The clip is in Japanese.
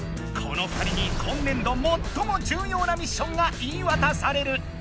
この２人に今年度最も重要なミッションが言いわたされる！